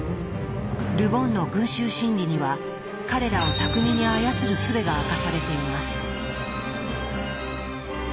ル・ボンの「群衆心理」には彼らを巧みに操る術が明かされています。